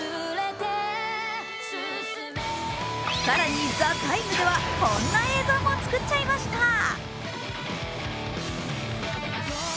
更に「ＴＨＥＴＩＭＥ，」ではこんな映像も作っちゃいました。